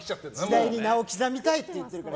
時代に名を刻みたいって言ってるから。